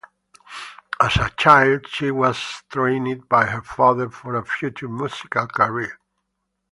As a child, she was trained by her father for a future musical career.